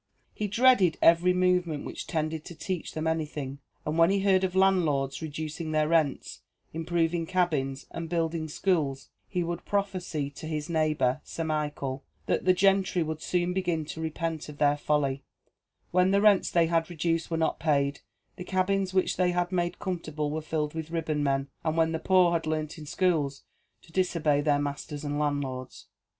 He dreaded every movement which tended to teach them anything, and when he heard of landlords reducing their rents, improving cabins, and building schools, he would prophesy to his neighbour, Sir Michael, that the gentry would soon begin to repent of their folly, when the rents they had reduced were not paid, the cabins which they had made comfortable were filled with ribbonmen, and when the poor had learnt in the schools to disobey their masters and landlords.